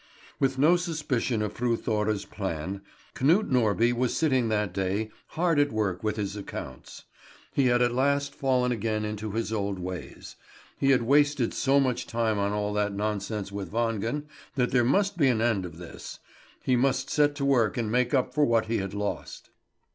With no suspicion of Fru Thora's plan, Knut Norby was sitting that day hard at work with his accounts. He had at last fallen again into his old ways. He had wasted so much time on all that nonsense with Wangen that there must be an end of this; he must set to work and make up for what he had lost.